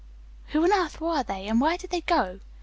Who on earth were they, and where did they go?"